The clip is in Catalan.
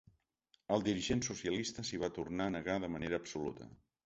El dirigent socialista s’hi va tornar a negar de manera absoluta.